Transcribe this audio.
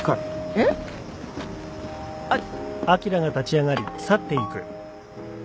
えっ？あっ。